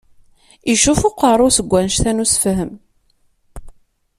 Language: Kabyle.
Icuf uqerru-w seg wanect-a n usefhem.